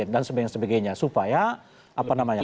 dan sebagainya sebagainya supaya apa namanya